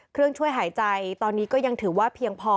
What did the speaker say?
เครื่องช่วยหายใจตอนนี้ก็ยังถือว่าเพียงพอ